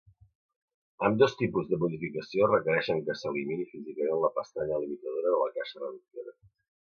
Ambdós tipus de modificació requereixen que s'elimini físicament la pestanya limitadora de la caixa reductora.